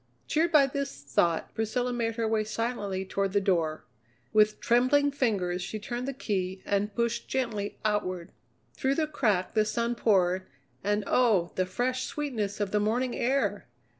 Cheered by this thought, Priscilla made her way silently toward the door. With trembling fingers she turned the key and pushed gently outward. Through the crack the sun poured, and oh, the fresh sweetness of the morning air!